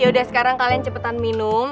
yaudah sekarang kalian cepetan minum